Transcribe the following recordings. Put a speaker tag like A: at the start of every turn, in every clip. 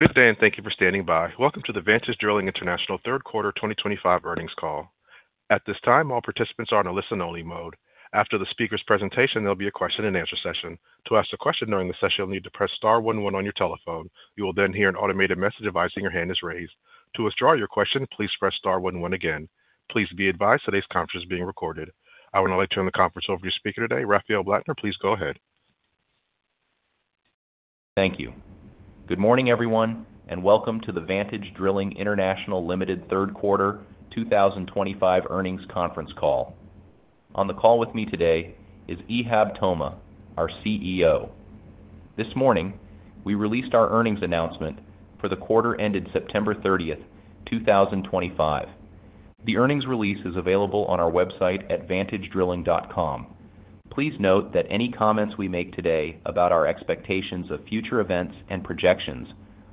A: Good day, and thank you for standing by. Welcome to the Vantage Drilling International third quarter 2025 earnings call. At this time, all participants are in a listen-only mode. After the speaker's presentation, there'll be a question-and-answer session. To ask a question during the session, you'll need to press star one one on your telephone. You will then hear an automated message advising your hand is raised. To withdraw your question, please press star one one again. Please be advised today's conference is being recorded. I would now like to turn the conference over to your speaker today, Rafael Blattner. Please go ahead.
B: Thank you. Good morning, everyone, and welcome to the Vantage Drilling International Limited third quarter 2025 earnings conference call. On the call with me today is Ihab Toma, our CEO. This morning, we released our earnings announcement for the quarter ended September 30, 2025. The earnings release is available on our website at vantagedrilling.com. Please note that any comments we make today about our expectations of future events and projections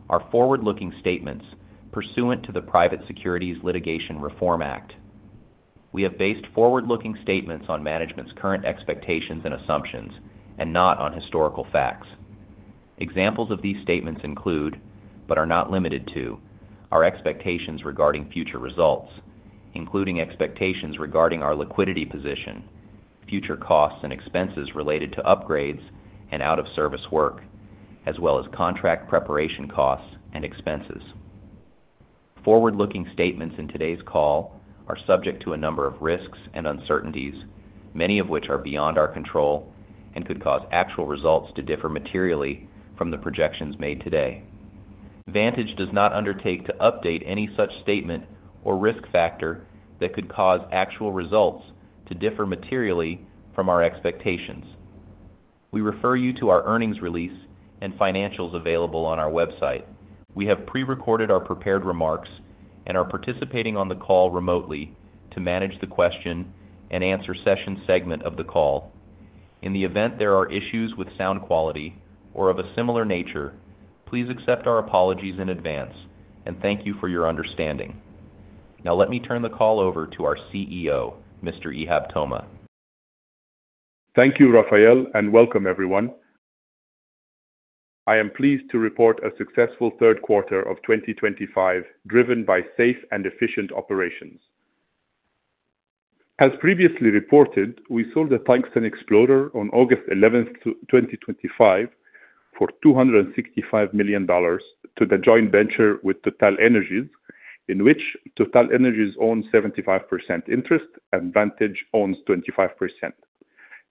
B: are forward-looking statements pursuant to the Private Securities Litigation Reform Act. We have based forward-looking statements on management's current expectations and assumptions and not on historical facts. Examples of these statements include, but are not limited to, our expectations regarding future results, including expectations regarding our liquidity position, future costs and expenses related to upgrades and out-of-service work, as well as contract preparation costs and expenses. Forward-looking statements in today's call are subject to a number of risks and uncertainties, many of which are beyond our control and could cause actual results to differ materially from the projections made today. Vantage does not undertake to update any such statement or risk factor that could cause actual results to differ materially from our expectations. We refer you to our earnings release and financials available on our website. We have pre-recorded our prepared remarks and are participating on the call remotely to manage the question and answer session segment of the call. In the event there are issues with sound quality or of a similar nature, please accept our apologies in advance and thank you for your understanding. Now, let me turn the call over to our CEO, Mr. Ihab Toma.
C: Thank you, Rafael, and welcome, everyone. I am pleased to report a successful third quarter of 2025 driven by safe and efficient operations. As previously reported, we sold the TUNGSTEN EXPLORER on August 11, 2025, for $265 million to the joint venture with TotalEnergies, in which TotalEnergies owns 75% interest and Vantage owns 25%.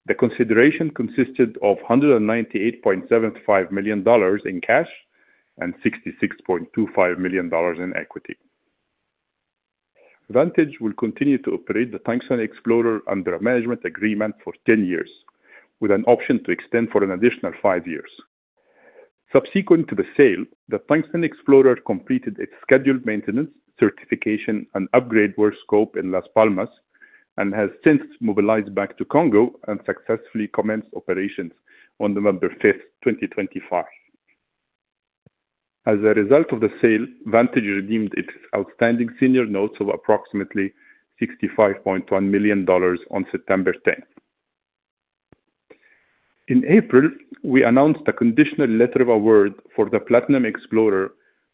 C: The consideration consisted of $198.75 million in cash and $66.25 million in equity. Vantage will continue to operate the TUNGSTEN EXPLORER under a management agreement for 10 years, with an option to extend for an additional 5 years. Subsequent to the sale, the TUNGSTEN EXPLORER completed its scheduled maintenance, certification, and upgrade work scope in Las Palmas and has since mobilized back to Congo and successfully commenced operations on November 5, 2025. As a result of the sale, Vantage redeemed its outstanding senior notes of approximately $65.1 million on September 10. In April, we announced a conditional letter of award for the PLATINUM EXPLORER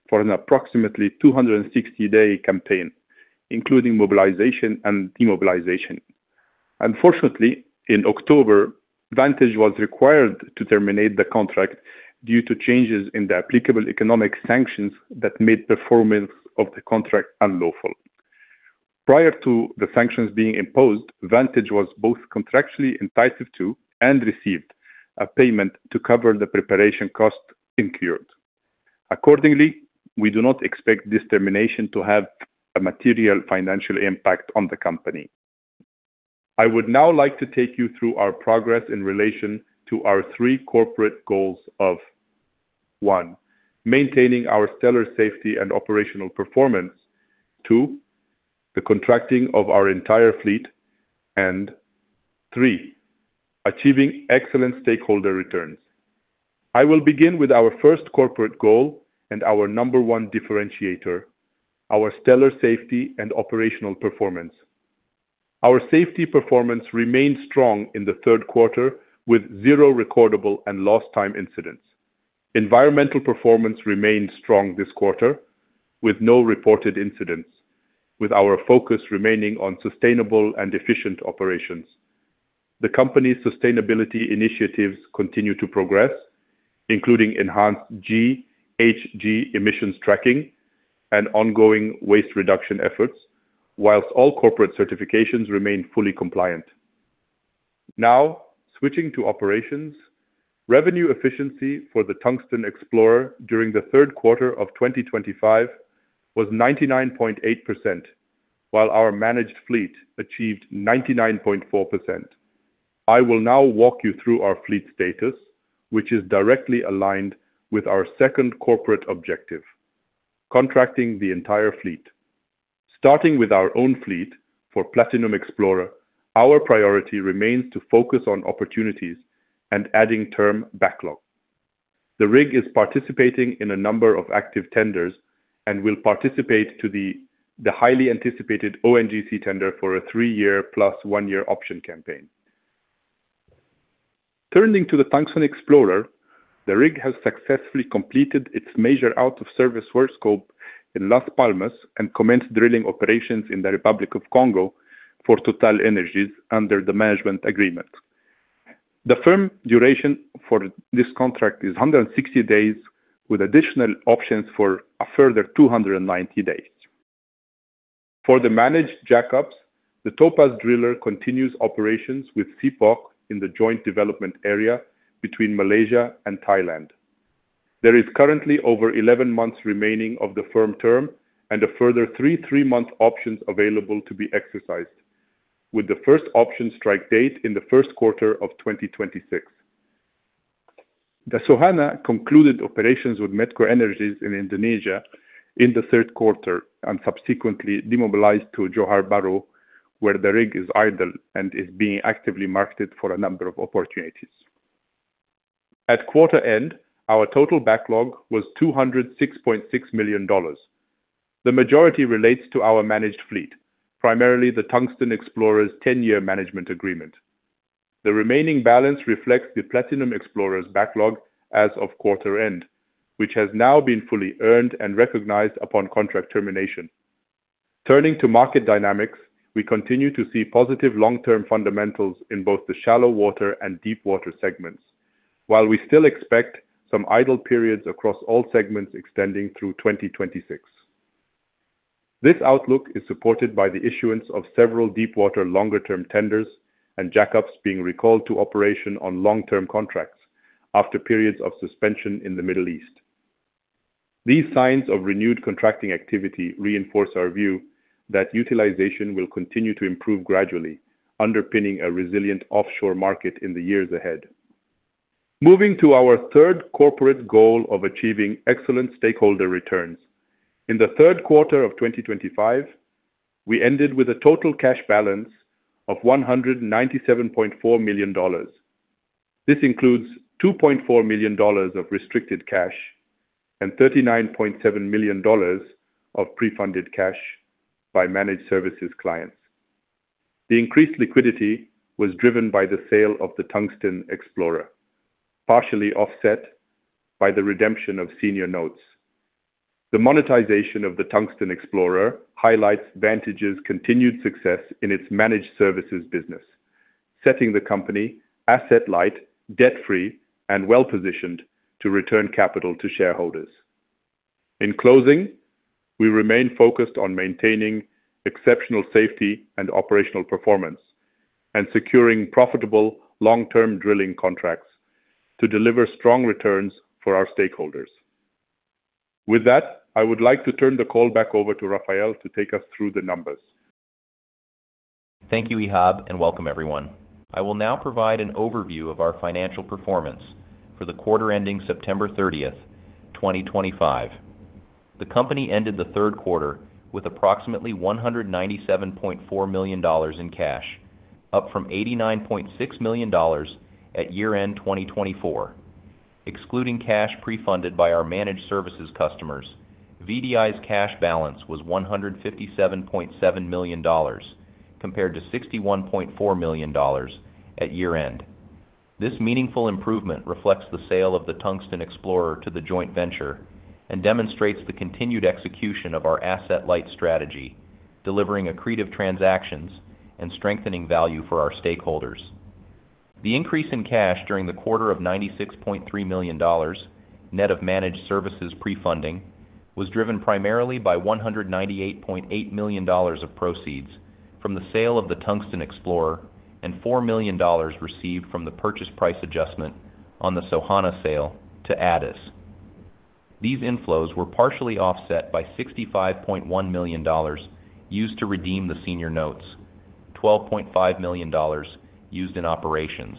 C: for an approximately 260-day campaign, including mobilization and demobilization. Unfortunately, in October, Vantage was required to terminate the contract due to changes in the applicable economic sanctions that made performance of the contract unlawful. Prior to the sanctions being imposed, Vantage was both contractually entitled to and received a payment to cover the preparation costs incurred. Accordingly, we do not expect this termination to have a material financial impact on the company. I would now like to take you through our progress in relation to our three corporate goals of: 1) Maintaining our stellar safety and operational performance, 2) The contracting of our entire fleet, and 3) Achieving excellent stakeholder returns. I will begin with our first corporate goal and our number one differentiator: our stellar safety and operational performance. Our safety performance remained strong in the third quarter with zero recordable and lost-time incidents. Environmental performance remained strong this quarter with no reported incidents, with our focus remaining on sustainable and efficient operations. The company's sustainability initiatives continue to progress, including enhanced GHG emissions tracking and ongoing waste reduction efforts, whilst all corporate certifications remain fully compliant. Now, switching to operations, revenue efficiency for the TUNGSTEN EXPLORER during the third quarter of 2025 was 99.8%, while our managed fleet achieved 99.4%. I will now walk you through our fleet status, which is directly aligned with our second corporate objective: contracting the entire fleet. Starting with our own fleet for PLATINUM EXPLORER, our priority remains to focus on opportunities and adding term backlog. The rig is participating in a number of active tenders and will participate in the highly anticipated ONGC tender for a three-year plus one-year option campaign. Turning to the TUNGSTEN EXPLORER, the rig has successfully completed its major out-of-service work scope in Las Palmas and commenced drilling operations in the Republic of Congo for TotalEnergies under the management agreement. The firm duration for this contract is 160 days, with additional options for a further 290 days. For the managed jackups, the TOPAZ DRILLER continues operations with CPOC in the joint development area between Malaysia and Thailand. There is currently over 11 months remaining of the firm term and a further three-month option available to be exercised, with the first option strike date in the first quarter of 2026. The Sohana concluded operations with MEDCOENERGI in Indonesia in the third quarter and subsequently demobilized to Johor Bahru, where the rig is idle and is being actively marketed for a number of opportunities. At quarter end, our total backlog was $206.6 million. The majority relates to our managed fleet, primarily the TUNGSTEN EXPLORER's 10-year management agreement. The remaining balance reflects the PLATINUM EXPLORER's backlog as of quarter end, which has now been fully earned and recognized upon contract termination. Turning to market dynamics, we continue to see positive long-term fundamentals in both the shallow water and deep water segments, while we still expect some idle periods across all segments extending through 2026. This outlook is supported by the issuance of several deep-water longer-term tenders and jackups being recalled to operation on long-term contracts after periods of suspension in the Middle East. These signs of renewed contracting activity reinforce our view that utilization will continue to improve gradually, underpinning a resilient offshore market in the years ahead. Moving to our third corporate goal of achieving excellent stakeholder returns. In the third quarter of 2025, we ended with a total cash balance of $197.4 million. This includes $2.4 million of restricted cash and $39.7 million of pre-funded cash by managed services clients. The increased liquidity was driven by the sale of the TUNGSTEN EXPLORER, partially offset by the redemption of senior notes. The monetization of the TUNGSTEN EXPLORER highlights Vantage's continued success in its managed services business, setting the company asset-light, debt-free, and well-positioned to return capital to shareholders. In closing, we remain focused on maintaining exceptional safety and operational performance and securing profitable long-term drilling contracts to deliver strong returns for our stakeholders. With that, I would like to turn the call back over to Rafael to take us through the numbers.
B: Thank you, Ihab, and welcome, everyone. I will now provide an overview of our financial performance for the quarter ending September 30th, 2025. The company ended the third quarter with approximately $197.4 million in cash, up from $89.6 million at year-end 2024. Excluding cash pre-funded by our managed services customers, VDI's cash balance was $157.7 million, compared to $61.4 million at year-end. This meaningful improvement reflects the sale of the TUNGSTEN EXPLORER to the joint venture and demonstrates the continued execution of our asset-light strategy, delivering accretive transactions and strengthening value for our stakeholders. The increase in cash during the quarter of $96.3 million net of managed services pre-funding was driven primarily by $198.8 million of proceeds from the sale of the TUNGSTEN EXPLORER and $4 million received from the purchase price adjustment on the Sohana sale to Addis. These inflows were partially offset by $65.1 million used to redeem the senior notes, $12.5 million used in operations,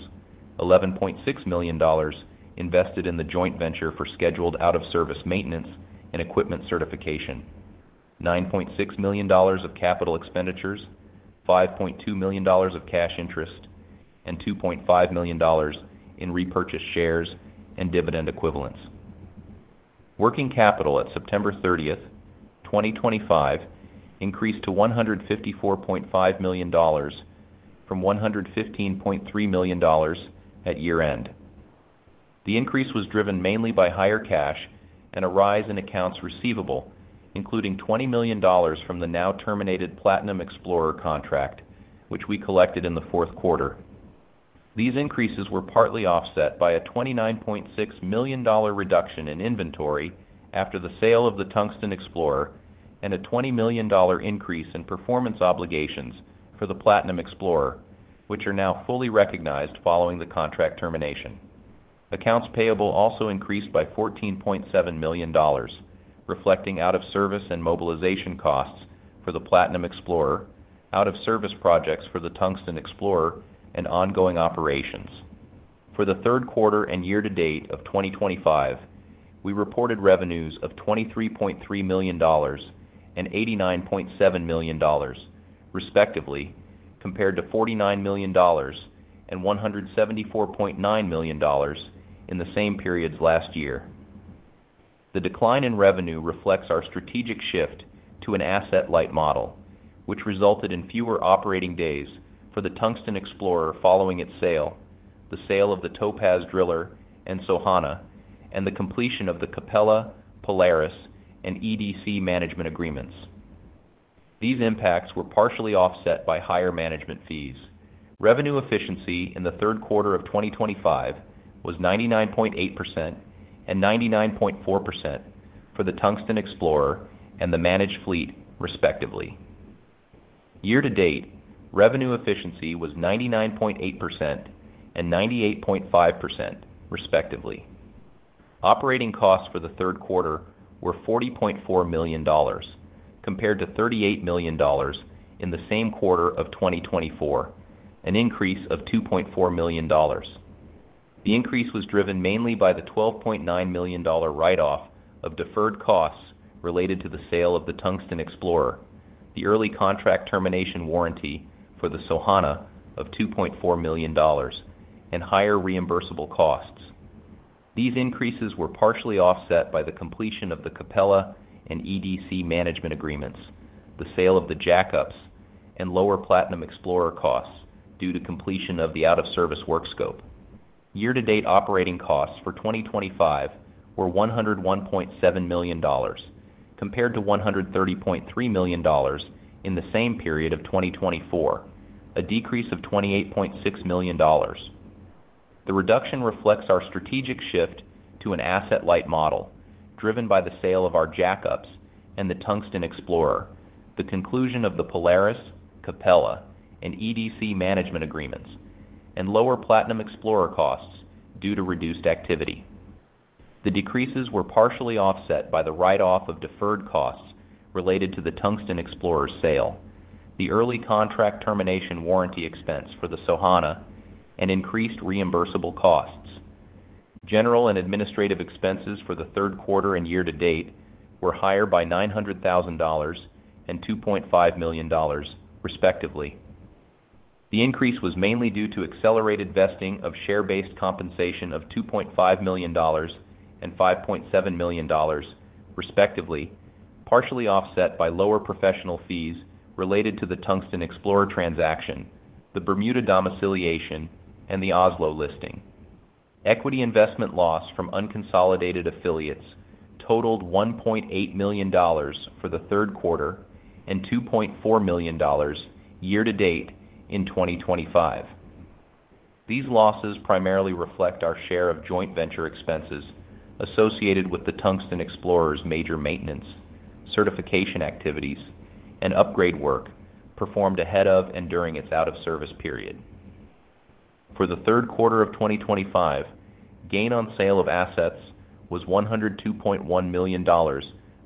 B: $11.6 million invested in the joint venture for scheduled out-of-service maintenance and equipment certification, $9.6 million of capital expenditures, $5.2 million of cash interest, and $2.5 million in repurchase shares and dividend equivalents. Working capital at September 30, 2025, increased to $154.5 million from $115.3 million at year-end. The increase was driven mainly by higher cash and a rise in accounts receivable, including $20 million from the now-terminated PLATINUM EXPLORER contract, which we collected in the fourth quarter. These increases were partly offset by a $29.6 million reduction in inventory after the sale of the TUNGSTEN EXPLORER and a $20 million increase in performance obligations for the PLATINUM EXPLORER, which are now fully recognized following the contract termination. Accounts payable also increased by $14.7 million, reflecting out-of-service and mobilization costs for the PLATINUM EXPLORER, out-of-service projects for the TUNGSTEN EXPLORER, and ongoing operations. For the third quarter and year-to-date of 2025, we reported revenues of $23.3 million and $89.7 million, respectively, compared to $49 million and $174.9 million in the same periods last year. The decline in revenue reflects our strategic shift to an asset-light model, which resulted in fewer operating days for the TUNGSTEN EXPLORER following its sale, the sale of the TOPAZ DRILLER and Sohana, and the completion of the Capella, Polaris, and EDC management agreements. These impacts were partially offset by higher management fees. Revenue efficiency in the third quarter of 2025 was 99.8% and 99.4% for the TUNGSTEN EXPLORER and the managed fleet, respectively. Year-to-date, revenue efficiency was 99.8% and 98.5%, respectively. Operating costs for the third quarter were $40.4 million, compared to $38 million in the same quarter of 2024, an increase of $2.4 million. The increase was driven mainly by the $12.9 million write-off of deferred costs related to the sale of the TUNGSTEN EXPLORER, the early contract termination warranty for the Sohana of $2.4 million, and higher reimbursable costs. These increases were partially offset by the completion of the Capella and EDC management agreements, the sale of the jackups, and lower PLATINUM EXPLORER costs due to completion of the out-of-service work scope. Year-to-date operating costs for 2025 were $101.7 million, compared to $130.3 million in the same period of 2024, a decrease of $28.6 million. The reduction reflects our strategic shift to an asset-light model driven by the sale of our jackups and the TUNGSTEN EXPLORER, the conclusion of the Polaris, Capella, and EDC management agreements, and lower PLATINUM EXPLORER costs due to reduced activity. The decreases were partially offset by the write-off of deferred costs related to the TUNGSTEN EXPLORER's sale, the early contract termination warranty expense for the Sohana, and increased reimbursable costs. General and administrative expenses for the third quarter and year-to-date were higher by $900,000 and $2.5 million, respectively. The increase was mainly due to accelerated vesting of share-based compensation of $2.5 million and $5.7 million, respectively, partially offset by lower professional fees related to the TUNGSTEN EXPLORER transaction, the Bermuda domiciliation, and the Oslo listing. Equity investment loss from unconsolidated affiliates totaled $1.8 million for the third quarter and $2.4 million year-to-date in 2025. These losses primarily reflect our share of joint venture expenses associated with the TUNGSTEN EXPLORER's major maintenance, certification activities, and upgrade work performed ahead of and during its out-of-service period. For the third quarter of 2025, gain on sale of assets was $102.1 million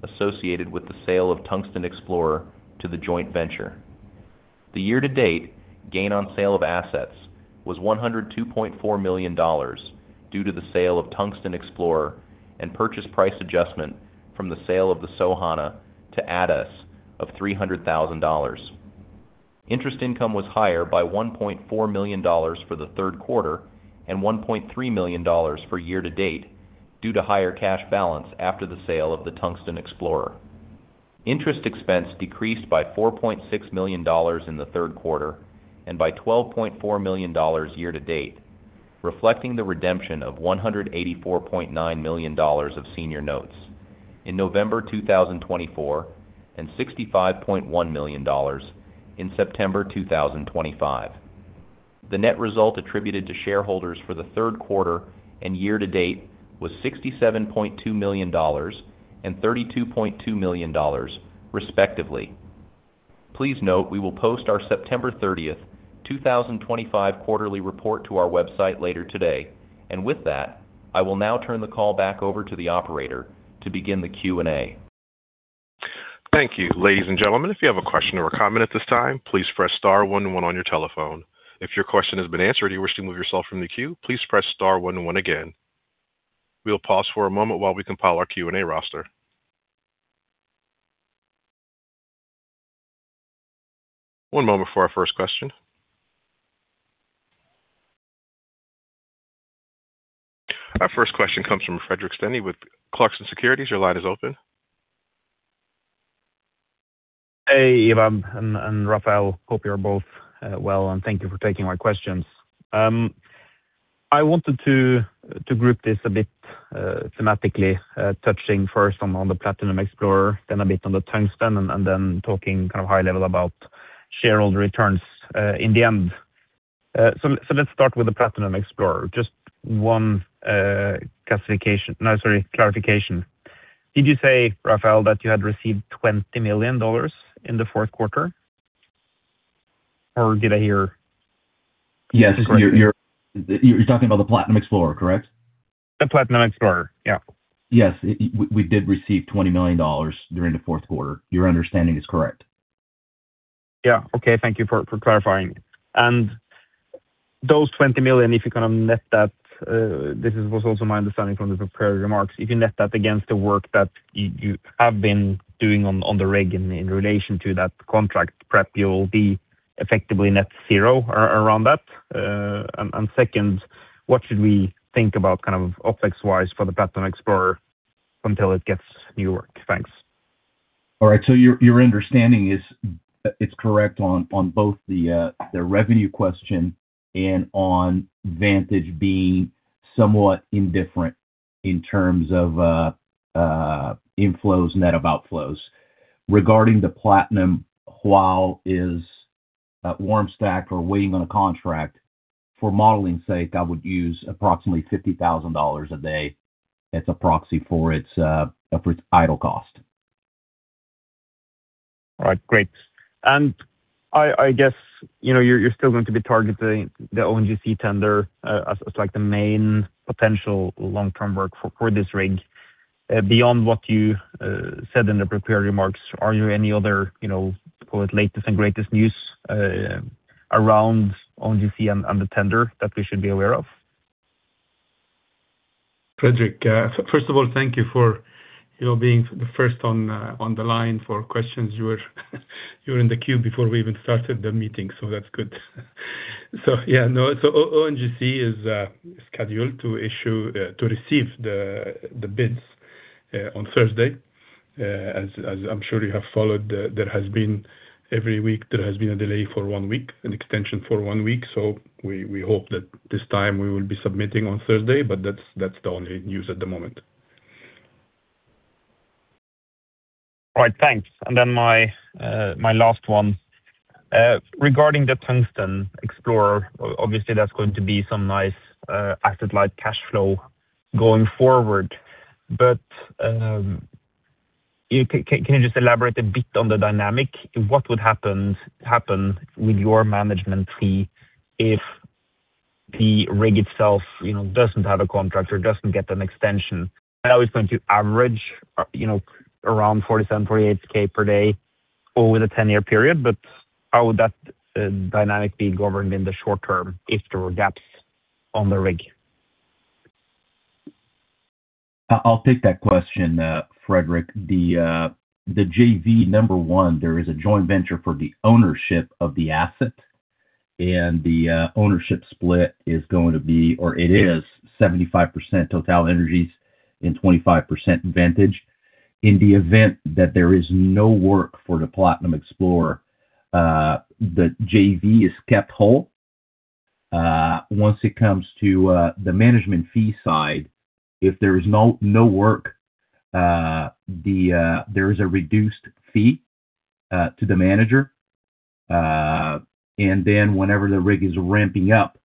B: associated with the sale of TUNGSTEN EXPLORER to the joint venture. The year-to-date gain on sale of assets was $102.4 million due to the sale of TUNGSTEN EXPLORER and purchase price adjustment from the sale of the Sohana to Addis of $300,000. Interest income was higher by $1.4 million for the third quarter and $1.3 million for year-to-date due to higher cash balance after the sale of the TUNGSTEN EXPLORER. Interest expense decreased by $4.6 million in the third quarter and by $12.4 million year-to-date, reflecting the redemption of $184.9 million of senior notes in November 2024 and $65.1 million in September 2025. The net result attributed to shareholders for the third quarter and year-to-date was $67.2 million and $32.2 million, respectively. Please note we will post our September 30, 2025 quarterly report to our website later today, and with that, I will now turn the call back over to the operator to begin the Q&A.
A: Thank you. Ladies and gentlemen, if you have a question or a comment at this time, please press star one one on your telephone. If your question has been answered and you wish to remove yourself from the queue, please press star one one again. We'll pause for a moment while we compile our Q&A roster. One moment for our first question. Our first question comes from Fredrik Stene with Clarkson Securities. Your line is open.
D: Hey, Ihab and Rafael. Hope you're both well, and thank you for taking my questions. I wanted to group this a bit thematically, touching first on the PLATINUM EXPLORER, then a bit on the Tungsten, and then talking kind of high level about shareholder returns in the end. Let's start with the PLATINUM EXPLORER. Just one clarification. Did you say, Rafael, that you had received $20 million in the fourth quarter, or did I hear?
B: Yes. You're talking about the PLATINUM EXPLORER, correct?
D: The PLATINUM EXPLORER, yeah.
B: Yes. We did receive $20 million during the fourth quarter. Your understanding is correct.
D: Yeah. Okay. Thank you for clarifying. And those $20 million, if you kind of net that—this was also my understanding from the prepared remarks—if you net that against the work that you have been doing on the rig in relation to that contract prep, you'll be effectively net zero around that? And second, what should we think about kind of opex-wise for the PLATINUM EXPLORER until it gets new work? Thanks.
B: All right. Your understanding is correct on both the revenue question and on Vantage being somewhat indifferent in terms of inflows and net of outflows. Regarding the Platinum, while it is warm stacked or waiting on a contract, for modeling's sake, I would use approximately $50,000 a day as a proxy for its idle cost.
D: All right. Great. I guess you're still going to be targeting the ONGC tender as the main potential long-term work for this rig. Beyond what you said in the prepared remarks, are there any other, let's call it, latest and greatest news around ONGC and the tender that we should be aware of?
C: Fredrik, first of all, thank you for being the first on the line for questions. You were in the queue before we even started the meeting, so that's good. ONGC is scheduled to receive the bids on Thursday. As I'm sure you have followed, every week, there has been a delay for one week, an extension for one week. We hope that this time we will be submitting on Thursday, but that's the only news at the moment.
D: All right. Thanks. My last one. Regarding the TUNGSTEN EXPLORER, obviously, that's going to be some nice asset-light cash flow going forward. Can you just elaborate a bit on the dynamic? What would happen with your management fee if the rig itself does not have a contract or does not get an extension? Now it is going to average around $47,000-$48,000 per day over the 10-year period, but how would that dynamic be governed in the short term if there were gaps on the rig?
B: I'll take that question, Fredrik. The JV, number one, there is a joint venture for the ownership of the asset, and the ownership split is going to be—or it is—75% TotalEnergies and 25% Vantage. In the event that there is no work for the PLATINUM EXPLORER, the JV is kept whole. Once it comes to the management fee side, if there is no work, there is a reduced fee to the manager. Whenever the rig is ramping up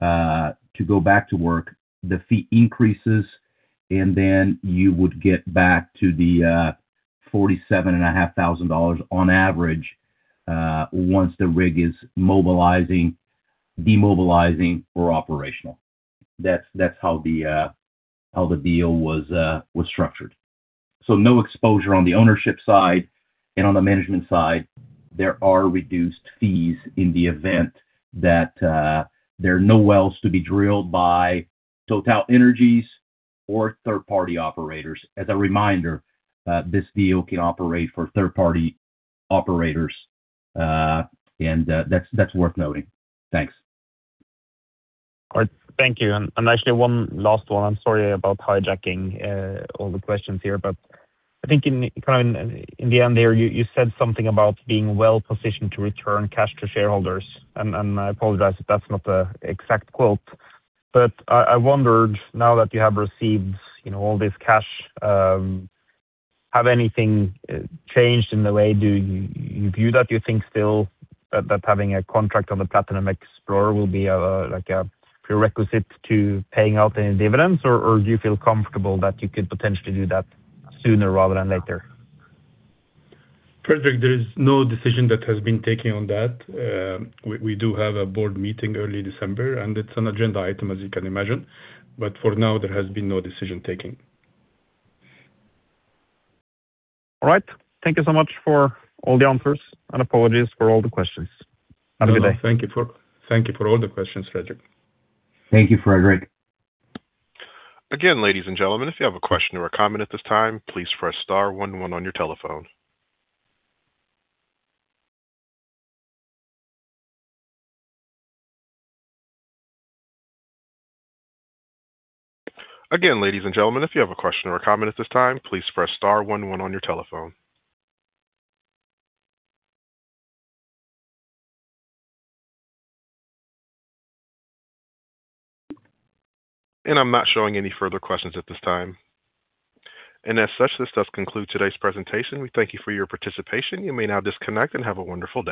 B: to go back to work, the fee increases, and you would get back to the $47,500 on average once the rig is mobilizing, demobilizing, or operational. That is how the deal was structured. No exposure on the ownership side. On the management side, there are reduced fees in the event that there are no wells to be drilled by TotalEnergies or third-party operators. As a reminder, this deal can operate for third-party operators, and that's worth noting. Thanks.
D: All right. Thank you. Actually, one last one. I'm sorry about hijacking all the questions here, but I think kind of in the end there, you said something about being well-positioned to return cash to shareholders. I apologize if that's not the exact quote. I wondered, now that you have received all this cash, has anything changed in the way you view that? Do you think still that having a contract on the PLATINUM EXPLORER will be a prerequisite to paying out any dividends, or do you feel comfortable that you could potentially do that sooner rather than later?
C: Fredrik, there is no decision that has been taken on that. We do have a board meeting early December, and it's an agenda item, as you can imagine. For now, there has been no decision taken.
D: All right. Thank you so much for all the answers and apologies for all the questions. Have a good day.
C: Thank you for all the questions, Fredrik.
B: Thank you, Fredrik
A: Ladies and gentlemen, if you have a question or a comment at this time, please press star one one on your telephone. Ladies and gentlemen, if you have a question or a comment at this time, please press star one one on your telephone. I am not showing any further questions at this time. As such, this does conclude today's presentation. We thank you for your participation. You may now disconnect and have a wonderful day.